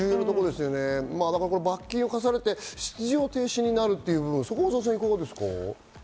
罰金を科されて出場停止になるというそこのところはどうですか？